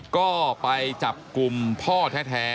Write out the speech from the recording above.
ก็ไปจับกลุ่มพ่อแท้